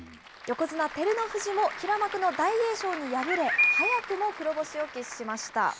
横綱・照ノ富士も、平幕の大栄翔に敗れ、早くも黒星を喫しました。